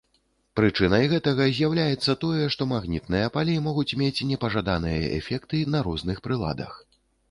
Прычынай гэтага з'яўляецца тое, што магнітныя палі могуць мець непажаданыя эфекты на розных прыладах.